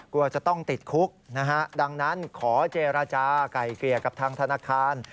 กลัวจะต้องติดคุกนะฮะดังนั้นขอเจรจาไก่เกลี่ยกับทางธนาคาร